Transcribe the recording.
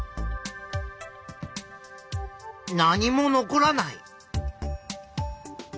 何も残らない。